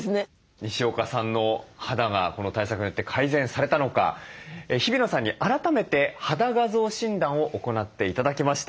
にしおかさんの肌がこの対策によって改善されたのか日比野さんに改めて肌画像診断を行って頂きました。